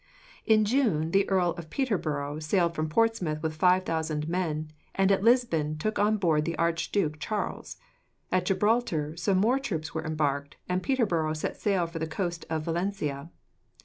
"In June, the Earl of Peterborough sailed from Portsmouth with five thousand men, and at Lisbon took on board the Archduke Charles. At Gibraltar some more troops were embarked, and Peterborough set sail for the coast of Valencia.